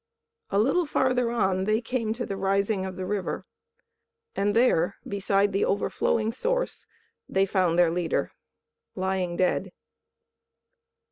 A little farther on they came to the rising of the river and there, beside the overflowing Source, they found their leader lying dead."